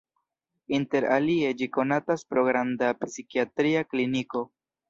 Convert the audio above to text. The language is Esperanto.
Inter alie ĝi konatas pro granda psikiatria kliniko.